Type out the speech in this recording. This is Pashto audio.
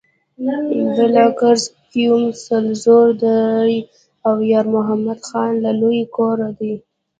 د بالاکرز قیوم سرزوره دی او یارمحمد خان له لوی کوره دی.